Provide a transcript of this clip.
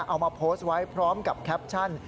เอามาโพสต์ไว้พร้อมกับแคปชั่น